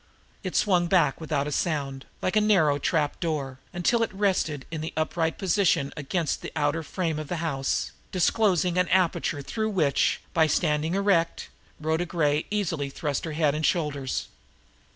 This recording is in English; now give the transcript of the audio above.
It swung back without a sound, like a narrow trap door, until it rested in an upright position against the outer frame of the house, disclosing an aperture through which, by standing erect, Rhoda Gray easily thrust her head and shoulders.